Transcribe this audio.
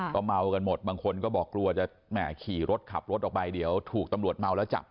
ก็เมากันหมดบางคนก็บอกกลัวจะแหมขี่รถขับรถออกไปเดี๋ยวถูกตำรวจเมาแล้วจับ